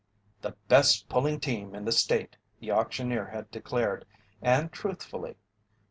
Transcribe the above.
"The best pulling team in the state!" the auctioneer had declared, and truthfully.